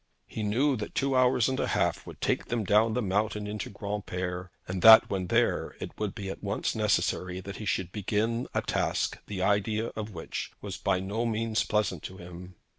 He knew that two hours and a half would take them down the mountain into Granpere, and that when there, it would be at once necessary that he should begin a task the idea of which was by no means pleasant to him.